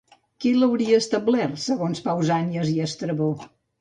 Qui l'hauria establert, segons Pausànias i Estrabó?